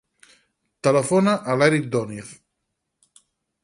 Telefona a l'Erik Doniz.